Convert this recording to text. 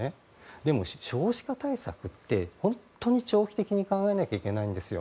でも少子化対策って本当に長期的に考えなきゃいけないんですよ。